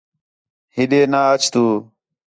ہِݙے نا اَچ تُو